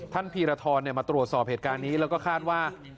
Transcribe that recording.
พีรทรมาตรวจสอบเหตุการณ์นี้แล้วก็คาดว่า